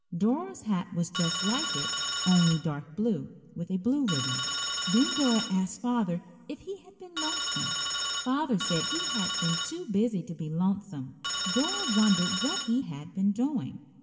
Dora's hat was just like it, only dark blue, with a blue ribbon. Then Dora asked Father if he had been lonesome. Father said he had been too busy to be lonesome. Dora wondered what he had been doing.